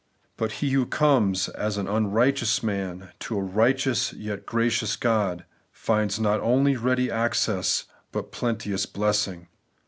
But he who comes as an un righteous man to a righteous yet gracious God, finds not only ready access, but plenteous blessing.